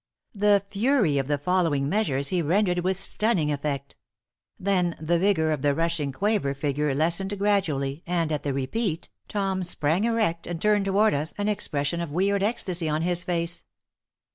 The fury of the following measures he rendered with stunning effect. Then the vigor of the rushing quaver figure lessened gradually, and, at the repeat, Tom sprang erect and turned toward us, an expression of weird ecstasy on his face.